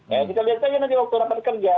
ya kita lihat saja nanti waktu rapat kerja